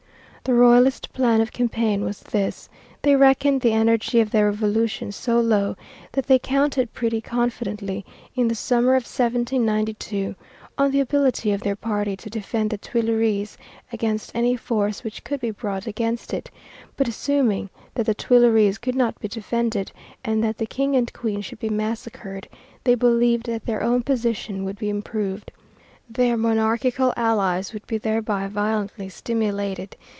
The Royalist plan of campaign was this: They reckoned the energy of the Revolution so low that they counted pretty confidently, in the summer of 1792, on the ability of their party to defend the Tuileries against any force which could be brought against it; but assuming that the Tuileries could not be defended, and that the King and Queen should be massacred, they believed that their own position would be improved. Their monarchical allies would be thereby violently stimulated.